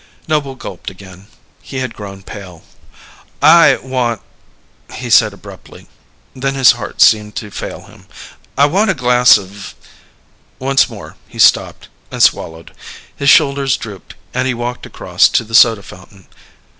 Noble gulped again. He had grown pale. "I want " he said abruptly, then his heart seemed to fail him. "I want a glass of " Once more he stopped and swallowed. His shoulders drooped, and he walked across to the soda fountain.